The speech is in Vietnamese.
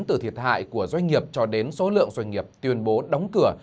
từ thiệt hại của doanh nghiệp cho đến số lượng doanh nghiệp tuyên bố đóng cửa